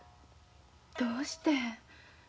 どうして？